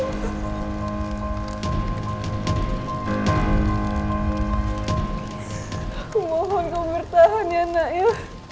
aku mohon kau bertahan ya nak ya